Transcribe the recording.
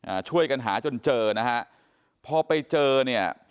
อ่าช่วยกันหาจนเจอนะฮะพอไปเจอเนี่ย